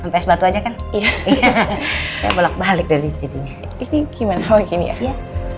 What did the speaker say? sampai batu aja kan iya bolak balik dari dirinya ini gimana wakilnya